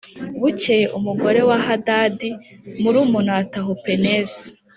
Bukeye umugore wa Hadadi murumuna wa Tahupenesi